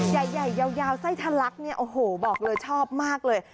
ใหญ่ยาวไส้ทะลักเนี่ยโอ้โหบอกเลยชอบมากเลย